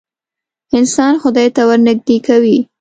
انسان خدای ته ورنیږدې کوې.